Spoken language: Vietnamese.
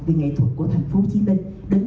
về nghệ thuật của tp hcm đến bạn bè trên thế giới